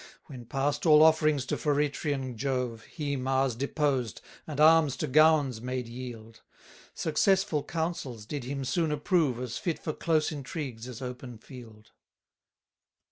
20 When past all offerings to Feretrian Jove, He Mars deposed, and arms to gowns made yield; Successful councils did him soon approve As fit for close intrigues, as open field.